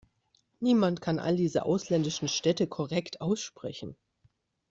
Niemand kann all diese ausländischen Städte korrekt aussprechen.